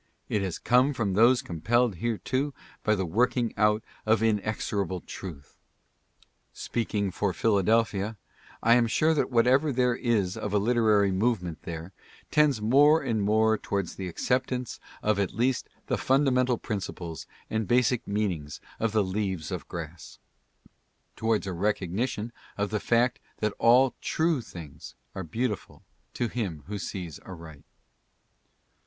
It has come from those compelled thereto by the working out of inexorable truth. Speaking for Philadelphia, I am sure that whatever there is of a literary movement there tends more and more towards the ac WILLIAMS— CLIFFORD. 29 ceptance of at least the fundamental principles and basic mean ing of the " Leaves of Grass "— towards a recognition of the fact that all true things are beautiful to him who sees aright.